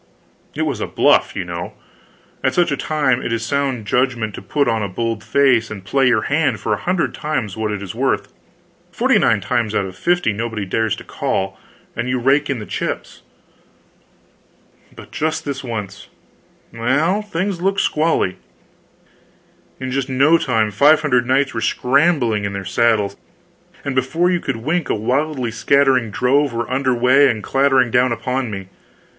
It was a "bluff" you know. At such a time it is sound judgment to put on a bold face and play your hand for a hundred times what it is worth; forty nine times out of fifty nobody dares to "call," and you rake in the chips. But just this once well, things looked squally! In just no time, five hundred knights were scrambling into their saddles, and before you could wink a widely scattering drove were under way and clattering down upon me.